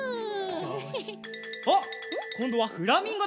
あっこんどはフラミンゴだ！